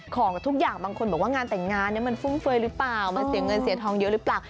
ของทุกอย่างบางคนบอกว่างานแต่งงานมันฟุ่มเฟย์หรือเปล่ามันเสียเงินเสียทองเยอะหรือเปล่า